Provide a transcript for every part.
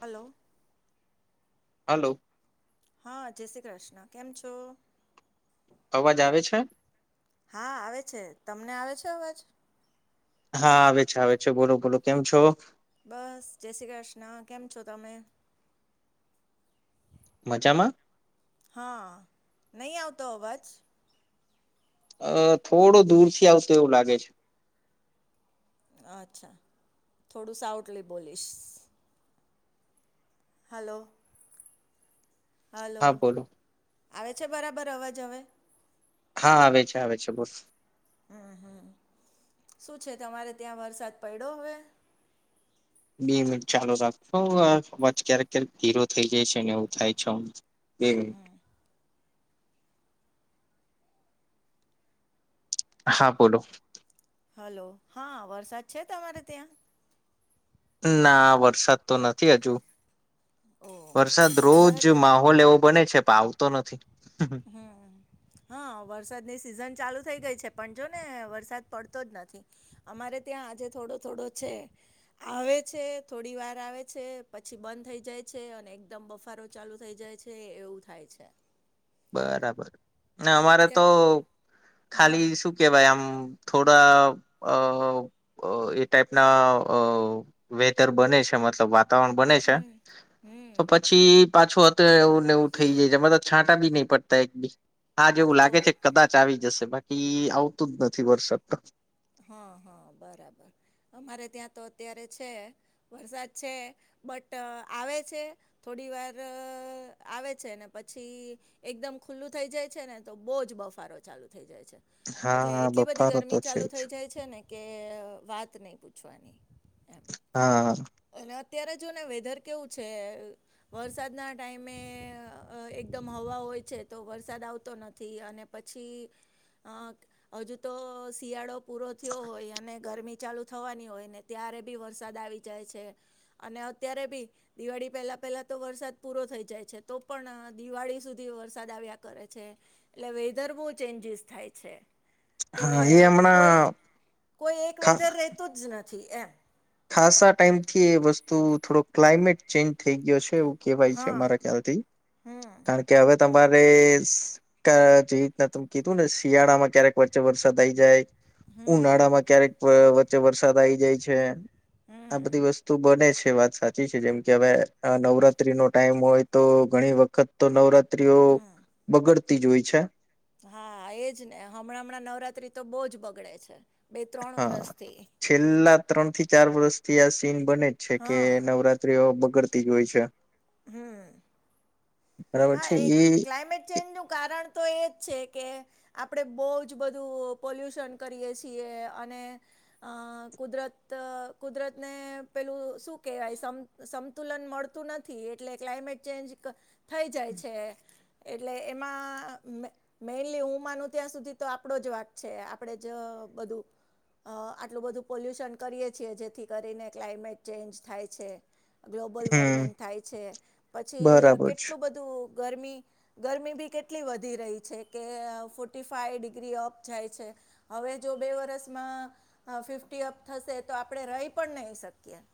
Hello hello હા જય શ્રી કૃષ્ણ કેમ છો? અવાજ આવે છે હા આવે છે તમને આવે છે અવાજ? હા આવે છે આવે છે બોલો બોલો કેમ છો? બસ જય શ્રી કૃષ્ણ કેમ છો તમે? મજામાં હા નહી આવતો અવાજ. અ થોડું દૂર થી આવતું એવું લાગે છે. અચ્છા થોડું સાઉટલી બોલીશ હલો હલો હા બોલો આવે છે બરાબર અવાજ હવે. હા આવે છે આવે છે બોસ હમ હમ શું છે તમારે ત્યાં વરસાદ પડ્યો હવે. બે મિનિટ ચાલુ રાખશોજ ક્યારેક ક્યારેક ધી થઈ જાય છે ને એવું થાય છે. એ મ. હા બોલો. હલો હા વરસાદ છે તમારે ત્યાં?. ના વરસાદ તો નથી હજુ. ઓ વરસાદ અમારે રોજ ત્યાં માહોલ એવો બને છે પણ આવતો નથી. હમ હા વરસાદ ની સિઝન ચાલુ થઈ ગઈ છે પણ જો ને વરસાદ પડતો જ નથી અમારે ત્યાં આજે થોડો થોડો છે. આવે છે થોડી વાર આવે છે પછી બંધ થઇ જાય છે અને એકદમ બફારો ચાલુ થઇ જાય છે એવું થાય છે. બરાબર અમારે તો અત્યારે ખાલી હમ શું કેવાય આમ. થોડા અ એ ટાઈપના વેધર બને છે. મતલબ વા વારણ બને છે હમ હમ તો પછી પાછું હત એવુંનેવું થઈ જાય છે એમાં તો છાંટ બી નહી પડતા એક બી હા જેવું લાગે ઓહ છે કદાચ આવી જશે બાકી બાકી આવતું જ નથી વર્ષક તો. હા હા બરાબર અમારે ત્યાં તો અત્યારે છે વરસાદ છે. બટ આવે છે થોડી વાર આવે છે ને પછી એકદમ ખુલ્લું થઈ જાય છે ને તો બહુ જ બફારો ચાલુ થઈ જાય છે. એટલે હા એટલી બધી બફારો તો ગરમી છે. ચાલુ જ થઈ જાય છે ને કે વાત નહી પૂછવાની. એમ હા અને અત્યારે જો ને વેધર કેવું છે વરસાદના ટાઈમે એકદમ હવા હોય છે તો વરસાદ આવતો નથી અને પછી અ હજુ તો શિયાળો પૂરો થયો હોય અને ગરમી ચાલુ થવાની હોય ને ત્યારે બી વરસાદ આવી જાય છે અને અત્યારે બી દિવાળી પહેલા પેલા તો વરસાદ પૂરો થઈ જાય છે તો પણ દિવાળી સુધી વરસાદ આવ્યા કરે છે એટલે વેધર બહુ ચેન્જીસ થાય છે કે હા એ હમણાં કોઈ કોઈ એક ખા વેધર રહેતો જ નથી એમ ખાસા ટાઈમ થી એ વસ્તુ થોડો ક્લાઇમેટ ચેન્જ થઈ ગયો છે એવ કેવાય છે હા મારા ખ્યાલથી હમ કારણ કે હવે તમારે કે જે રીતના ત કીધું ને શિયાળા માં ક્યારેક વચ્ચે વરસાદ આઈ જાય હમ ઉનાળામાં ક્યારેક વચ્ચે વરસાદ આ આવી જાય છે આ હમ બધી વસ્તુ બને છે વાત સાચી છે જેમ કે હવે નવરાત્રી નો ટાઈમ હોય તો ઘણી વખત તો નવરા હમ બગડતી જ હોય છે હા એજ ને હમણાં હમણાં નવરાત્રી તો બહુ જ બગડે છે બે ત્રણ હા વરષથી છેલ્લા ત્રણ થી ચાર વર્ષ થી આ સીન બને જ છે કે હા નવરાત્રીઓ બગડતી જ હોય છે હમ બરાબર હા છે એ ક્લાયમેટ ચેન્જ નું કારણ તો એજ છે કે આપણે બહુ જ બધું પોલ્યુશન કરીએ છીએ અને અ કુદરત કુદરતને પેલું શું કેહેવાય સમ સમતુલન પદતું નથી એટલે ક્લામેટ ચેન્જ થઈ જાય છે એટલે એમાં મેન મેનલી હું માનું ત્યાં સુધી તો આપણો જ વાક છે આપણેે જ બધું અ આટલું બધું પોલ્યુશન કરીએ છીએ જેથી કરીને ક્લાઇમેટ ચેન્જ થાય છે ગ્લોબલ હમ વોર્મિંગ થાય છે પછી બરાબર કેટ છે ટોરગરમી બી કેટલી વધી રહી છે કે ફોર્ટી ફાઇ ફિગ્રીપ હવે જો બે વર્ષમાં અ ફિફી અપ થશે તો આપણે રહી પણ નહી શકી [unintelligible]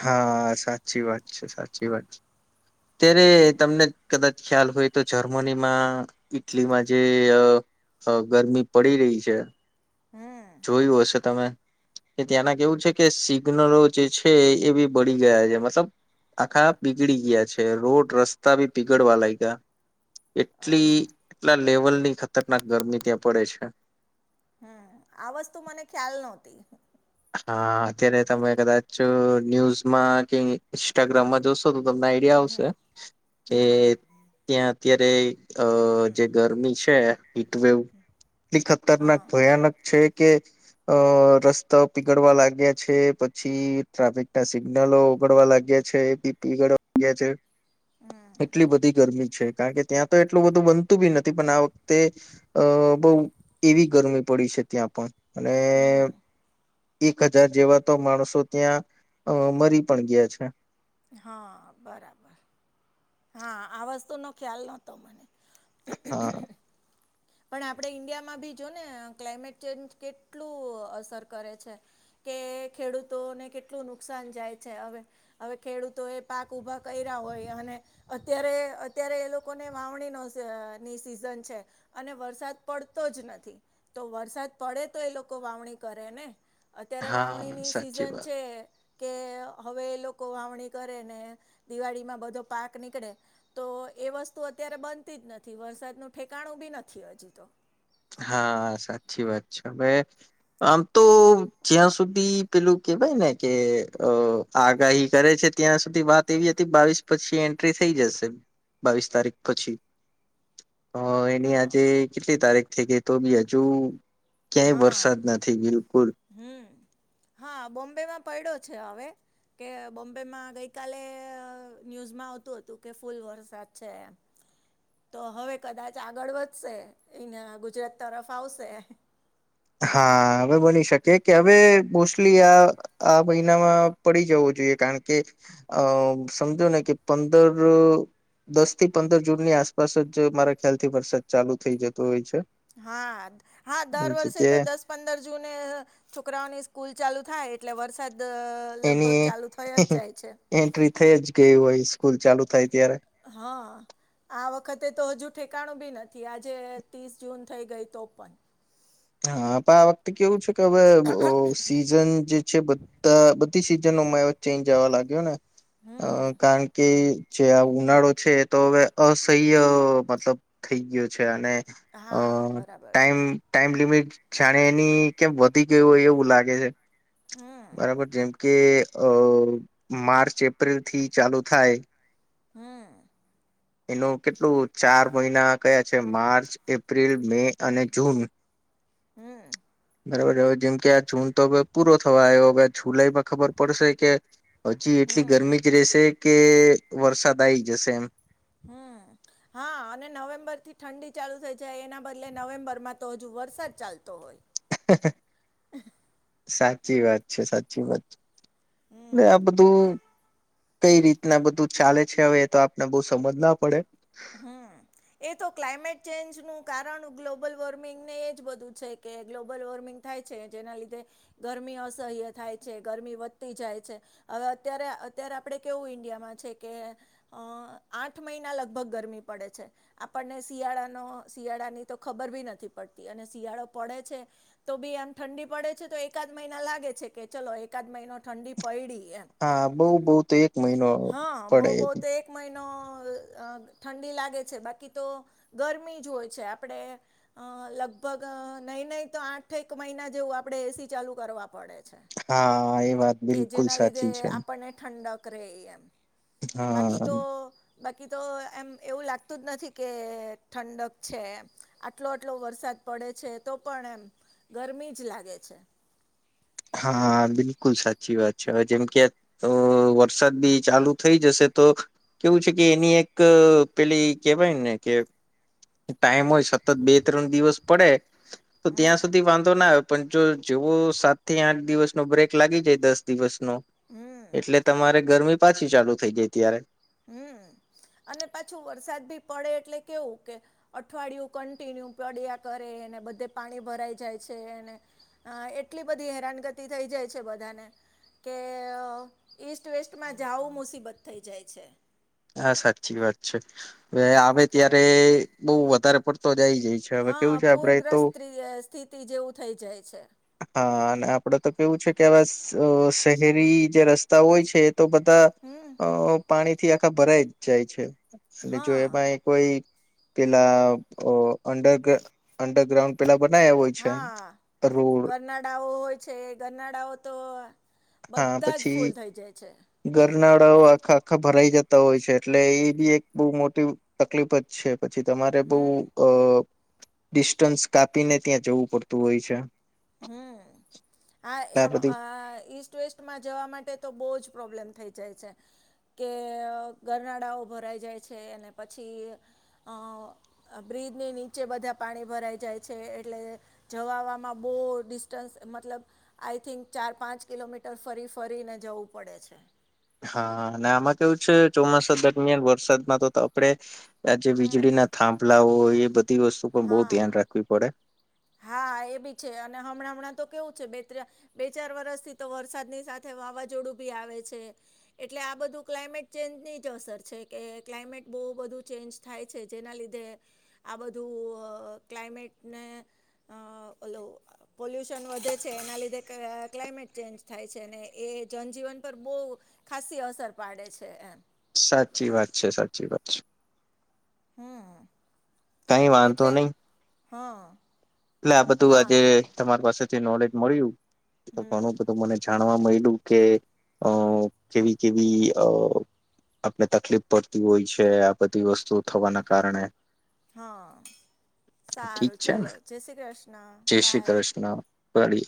હા સાચી વાત છે સાચી વાત છે ત્યારે તમને કદાચ ખ્યાલ હોય તો જર્મની માં ઈટલીમાં જે હ ગરમી પડી રહી છે હમ જોયું હશે તમે કે ત્યાંના કે એવું છે કે સિગ્નલો જે છે એ બી બળી ગયા છે મતલબ આખા પીગળી ગયા છે રોડ રસ્તા બી પીગળવા લાગ ગયા એટલી અચ્છા એટલા લેવલની ખતરનાક ગરમી ત્યાં પડે છે હમ આ વસ્તુ મને ખ્યાલ નહોતી હા અત્યારે તમે કદાચ ન્યુઝમાં કે ઇન્સ્ટાગ્રામમાં જોશો તમને આઈડિયા આવશે કે ત્યાં અત્યારે અ જે ગરમી છે હીટવેવ એટલી ખતરનાક હા ભયાનક છે કે અ રસ્ તા પીગડવા લાગ્યા છે પછી ટ્રાફિક ના સિગ્નલો ઓગડવા લાગ્યા છે બી પીગ છે એટલી બધી ગરમી છે કારણ કે ત્યાં તો એટલું બધું બનતું બી નથી પણ આ વખતે અ બહુ એવી ગરમી પડી છે ત્યાં પણ અને હમ એક હજાર જેવા તો માણસો ત્યાં મરી પણ ગયા છે હા બરાબર હા આ વસ્તુ નો ખ્યાલ નહતો મને હા [unintelligible] પણ આપડે ઈન્ડિયામાં ભી જો ને ક્લાયમેટ ચેન્જ કેટલું અસર કરે છે કે ખેડૂતોને કેટલું નુકસાન જાય છે હવે હવે ખેડૂતો એ પાક ઉભા કયરા હોય અને અત્યારે અત્યારે એ લોકોને વાવણી નશે અ ની સીઝન છે, અને વરસાદ પડતો જ નથી તો વરસાદ પડે તો એ લોકો વાવણી કરે ને અત્યારે હા વાવણીની સાચી સિઝન વાત છે, કે હવે લો કો વાવણી કરે ને દિવાળીમાં બધો પાક નીકળે તો એ વસ્તુ અત્યારે બનતી નથી વરસાદ નું ઠેકાણું બી નથી હજી તો હા સાચી વાત છે, હવે આમ તો જ્યાં સુધી પેલું કેવાય ને કે અ આગાહી કરે છે, ત્યાં સુધી વાત એવી હતી બાવીસ પછી એન્ટ્રી થ ઈ જશે બાવીસ તારીખ પછી. [inaudible] અ એની હા આજે કેટલી તારીખ થઈ ગઈ તો બી હજુ. ક્યાંય હા વરસાદ નથી બિલકુલ હમ હા બોમ્બે માં પયડો છે હવે કે બોમ્બે માં ગઈ કાલે ન્યૂઝમાં આવતું હતું કે ફૂલ વરસાદ છે, તો હવે કદાચ આગળ વધશે ઇયના ગુજરાત તરફ આવશે હા હવે બની શકે કે હવે મોસ્ટલી આ આ મહિનામાં પડી જવું જોઈએ કારણ કે અ સમજો ને કે પંદર દસ થી પંદર જૂનની આસપાસ જ મારા ખ્યાલ થી વરસાદ ચાલુ થઈ જતો હોય છે. હા હા દર વર્ષે જગ્યાએ દસ પંદર જૂને છોકરાઓની સ્કૂલ ચાલુ થાય એટલે વરસાદ અ, લગભગ એની ચાલુ થઈ જ જાય છે એન્ટ્રી થઈ જ ગય હોય સ્કૂલ ચાલુ. થાય ત્યારે હા આ વખત તે તો હજુ ઠેકાણું બી નથી આજે ત્રીસ જૂન થઈ ગઈ તોપન હા પણ આ વખતે કેવું છે, કે હવે સીઝન જે છે બધા બધી સીઝન માં ચેન્જ આવા લાગ્યો ને હમ કારણ કે જે આ ઉનાળો છે, એ તો હવે અસહ્ય મતલબ થઈ ગયો છે, અને અ હા બરાબર છે ટાઈમ ટાઈમ લિમિટ જાણે એની કેમ વધી ગય હોય એવું લાગે છે. હમ બરાબર જેમ કે અ માર્ચ એપ્રિલ થી ચાલુ થાય હમ. એનું કેટલું ચાર મહિના કયા છે, માર્ચ, એપ્રિલ, મે અને જૂન હમ બરોબર જેમ કે આ જુન તો હવે પૂરો થવા આયો હવે જુલાઈ માં ખબર પડશે કે હજી એટલી હમ ગરમી જ રહેશે કે વરસાદ આ આવી જશે એમ. હમ હા અને નવેમ્બર થી ઠંડી ચાલુ થઈ જાય એના બદલે નવેમ્બર માં તો હજુ વરસાદ ચાલતો હોય. સાચી વાત છે, સાચી વાત છે, આ બધું કઈ રીતના બધું ચાલે છે, હવે એ તો આપને બઉ સમજ ના પડે હમ એ તો ક્લાયમેટ ચેન્જ નું કારણ ગ્લોબલ વોર્મિંગ ને એજ બધું છે. કે ગ્લોબલ વોર્મિંગ થાય છે, જેના લીધે ગરમી અસહ્ય થાય છે, ગરમી વધતી જાય છે, હવે અત્યારે અત્યારે આપણેે કેવું ઇન્ડિયામાં છે કે આઠ મહિના લગ ભગ ગરમી પડે છે, આપણને શિયાળાનો શિયાળાની તો ખબર ભી નથી પડતી અને શિયાળો પડે છે, તો બી આમ ઠંડી પડે છે તો એકાદ મહિના લાગે છે કે ચલો એકાદ મહિનો ઠંડી પયડી હા બહુ બહુ તો એક મહિનો પડે એ. નો અ ઠંડી લાગે છે, બાકી તો ગરમી જ હોય છે, આપણેે લગભગ નહીં નહીં તો આઠેક મહિના જેવું આપણે એસી ચાલુ કરવા પડે છે. હા એ વાત કે બિલકુલ જેના લીધે સાચી છે આપણને ઠંડક રે એમ. બાકી હા તો બાકી તો એમ એવું લાગતું જ નથી કે ઠંડક છે આટલો આટલો વરસાદ પડે છે તો તો પણ એમ ગરમી જ લાગે છે. હા બિલકુલ સાચી વાત છે હવે જેમ કે વરસાદ બી ચાલુ થઈ જશે. તો કેવું છે કે એની એક પેલી કેવાય ને કે ટાઈમ હોય. સતત બે ત્રણ દિવસ પડે તો ત્યાં હમ સુધી વાંધો ના આવે પણ જો જેવો થી આઠ દિવસ નો બ્રેક લાગી જાય દસ દિવસ ન હમ એટલે તમારે ગરમી પાછી ચાલુ થઈ જાય ત્યારે. હમ અને પાછું વરસાદ ભી પડે એટલે કેવું કે અઠવાડિયું કન્ટિન્યુ પડ્યા કરે ને બધે પાણી ભરાઈ જાય છે ને એટલી બધી હેરાનગતિ થાય થઈ જાય છે બધાને કે ઈસ્ટ વેસ્ટમાં જાવું મુસીબત થઈ જાય છે. હા સાચી વાત છે હવે આવે કે ત્યારે બઉ વધારે પડતો જ આવી જાય છે હવે હા કેવું છે આપડે તો પૂરગ્રસ્ત સ્થિતિ જેવું થઇ જાય છે. હા અને આપડે તો કેવું છે કે આવે શહેરી જે રસ્તા હોય છે તો બધા હમ અ પાણીથી આખા ભરાઈ જ જાય છે. અને જો હા એમાંય કોઈ પેલા અંડર અંડરગ્રાઉન્ડ પેલા બનાયા હોય છે રોડ ગરનાડાઓ હોય છે ગરનાડાાઓ તો બધા જ ફૂલ થઈ જાય છે. નાળાઓ આખા આખા ભરાઈ જતા હોય છે એટલે એ બી એક બહુ મોટી તકલીફ જ છે. પછી તમારે બઉ હમ અ ડિસ્ટન્સ કાપીને ત્યાં જવું પડતું હોય છે. હમ આ એમ ઇસ્ટ વેસ્ટમાં જવા માટે તો બહુ જ પ્રોબ્લેમ થઈ જાય છે. કે ગરનાળાઓ ભરાઈ જાય છે અને પછી અ બ [unintelligible] ની નીચે બધા પાણી ભરાઈ જાય છે એટલે જવા આવવામાં બહુ ડિસ્ટન્સ મતલબ આઈ થિંક ચાર પાંચ કિલોમીટર ફરી ફરીને જવું પડે છે. હા અને આમાં કેવું છે ચોમાસા દરમિયાન વરસાદમાં તો આપણેે આ જે હમ વીજળી ના થાંભલા હોય એ બધા હા હા એ બી છે અને હમણાં હમણાં તો વ બે ચાર વરષથી તો વરસાદની સાથે વાવાઝોડું ભી આવે છે એટલે આ બધું ક્લાઇમેટ ચેન્જની જ અસર છે કે ક્લાઇમેટ બહુ બધું ચેન્જ થાય છે જેના લીધે આ બધું ક્લામેટ ઓ પોલ્યુશન વધે છે એના લીધે ક્મેટ ચેન્જ થાય છે ને એ જનજીવન પર બહુ ખાસ અસર પાડે છે એમ સાચી વાત છે સાચી વાત છે. હમ. કઈ વાંધો એટલે નહી. હા એટલે આ બધું હા આજે તમારી પાસેથી નોલેજ મળ્યું તો ઘણું બધું મને જાણ ણવા મળલ્યું કે અ કેવી કેવી અ આપને તકલીફ પડતી હોય છે આ બધી વસ્તુઓ થવાના કારણે હા ઠીક સારું છે ને ચલો જય શ્રી કૃષ્ણ બાય. પડી.